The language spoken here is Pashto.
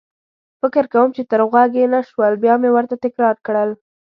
فکر کوم چې تر غوږ يې نه شول، بیا مې ورته تکرار کړل.